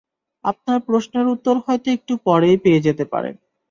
আপনার প্রশ্নের উত্তর হয়তো একটু পরেই পেয়ে যেতে পারেন।